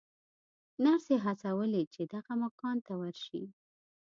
نرسې هڅولې چې دغه مکان ته ورشي.